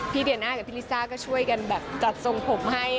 เดียน่ากับพี่ลิซ่าก็ช่วยกันแบบจัดทรงผมให้